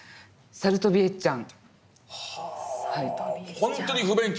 「さるとびエッちゃん」